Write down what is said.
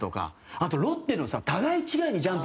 あと、ロッテのさ互い違いにジャンプ。